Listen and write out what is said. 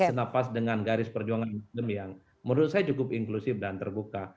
senapas dengan garis perjuangan nasdem yang menurut saya cukup inklusif dan terbuka